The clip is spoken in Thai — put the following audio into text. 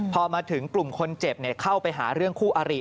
พอมาถึงกลุ่มคนเจ็บเข้าไปหาเรื่องคู่อาริ